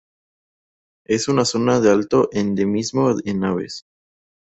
Es una zona de alto endemismo en aves.